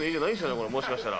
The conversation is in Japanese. これ、もしかしたら。